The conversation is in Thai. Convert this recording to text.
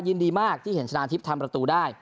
ยินดีมากที่เห็นชนะทิพย์ทำประตูได้